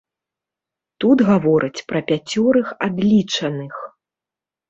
Тут гавораць пра пяцёрых адлічаных.